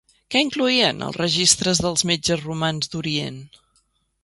Què incloïen els registres dels metges romans d'Orient?